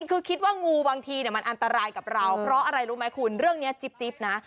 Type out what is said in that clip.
คือคิดว่างูบางทีมันอันตรายกับเราเพราะอะไรรู้ไหมคุณเรื่องนี้จิ๊บนะ